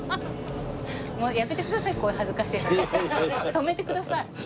止めてください。